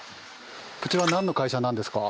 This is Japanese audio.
こちらは何の会社なんですか？